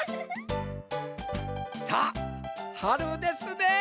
さあはるですねえ。